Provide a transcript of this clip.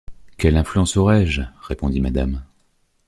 Quelle influence aurais-je, répondit Mrs.